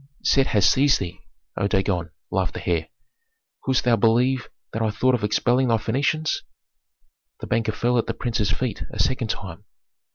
"Set has seized thee, O Dagon," laughed the heir. "Couldst thou believe that I thought of expelling thy Phœnicians?" The banker fell at the prince's feet a second time.